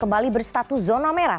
kembali berstatus zona merah